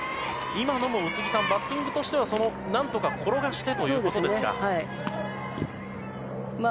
今のも宇津木さんバッティングとしては何とか転がしてというところですか。